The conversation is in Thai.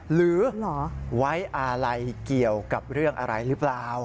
หรือไว้อะไรเกี่ยวกับเรื่องอะไรหรือเปล่า